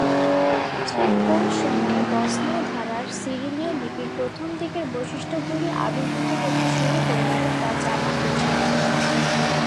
ঠিক কোন সময়ে বসনীয় ধারার সিরিলীয় লিপির প্রথম দিকের বৈশিষ্ট্যগুলি আবির্ভূত হতে শুরু করলে তা জানা কঠিন।